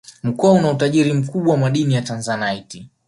Mkoa una utajiri mkubwa wa madini ya Tanzanite